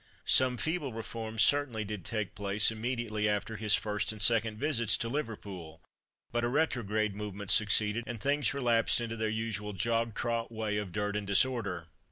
Some feeble reforms certainly did take place immediately after his first and second visits to Liverpool, but a retrograde movement succeeded, and things relapsed into their usual jog trot way of dirt and disorder.